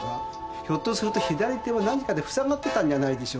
ひょっとすると左手はなんかで塞がってたんじゃないでしょうか。